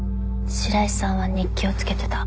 白井さんは日記をつけてた。